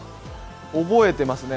覚えてますね。